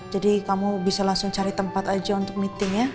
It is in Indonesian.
jadi kamu bisa langsung cari tempat aja untuk meetingnya